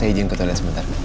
saya izin ke toilet sebentar